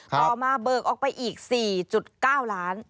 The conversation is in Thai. ต่อมาเบิกออกไปอีก๔๙ล้าน